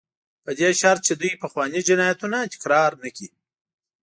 په دې شرط چې دوی پخواني جنایتونه تکرار نه کړي.